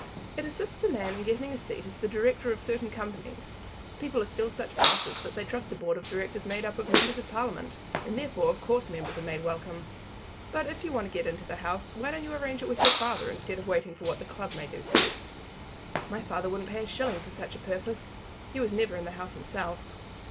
It assists a man in getting a seat as the director of certain Companies. People are still such asses that they trust a Board of Directors made up of members of Parliament, and therefore of course members are made welcome. But if you want to get into the House why don't you arrange it with your father, instead of waiting for what the club may do for you?" "My father wouldn't pay a shilling for such a purpose. He was never in the House himself."